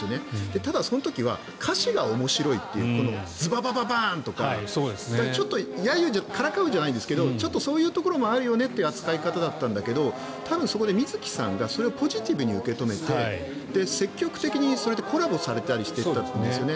ただその時は歌詞が面白いというかズババババーンとかからかうじゃないですがちょっとそういうところもあるよねという扱い方だったんだけどそこで水木さんがそこをポジティブに受け止めて積極的にコラボされたりしていたんですね。